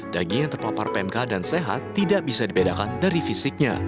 daging yang terpapar pmk dan sehat tidak bisa dibedakan dari fisiknya